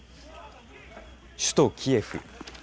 首都キエフ。